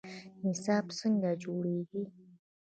نصاب څنګه جوړیږي؟